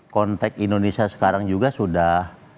konteks indonesia sekarang juga sudah